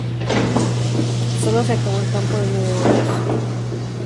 Solo se acabó el campo de nueve hoyos.